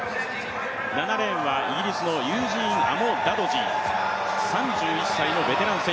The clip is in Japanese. ７レーンはイギリスのユージーン・アモダドジー、３１歳のベテランです。